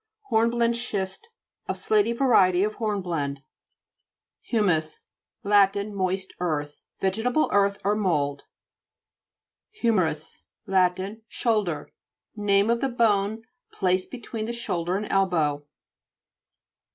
HORNBLENDE SCHIST A slaty varie ty of hornblende. HU'MTJS Lat. Moist earth. Vege table earth or mould. HI/MERITS Lat. Shoulder. Name of the bone placed between the shoulder and elbow.